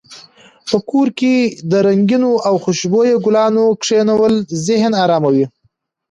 په کور کې د رنګینو او خوشبویه ګلانو کښېنول ذهن اراموي.